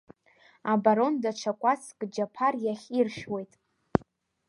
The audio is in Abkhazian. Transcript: Абарон даҽа кәацк Џьаԥар иахь иршәуеит.